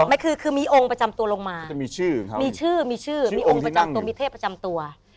ไม่คือคือมีองค์ประจำตัวลงมา